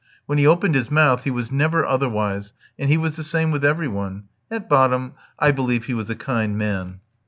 When he opened his mouth he was never otherwise, and he was the same with every one. At bottom I believe he was a kind man.